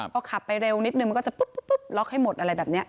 พอขับไปเร็วนิดนึงมันก็จะปุ๊บล็อกให้หมดอะไรแบบนี้